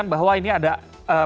control loth itu pergelamaan